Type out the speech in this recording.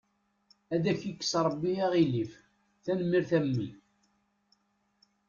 Ad ak-ikkes Rabbi aɣilif, tanemmirt a mmi.